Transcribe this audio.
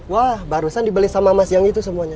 wah barusan dibeli sama mas yang itu semuanya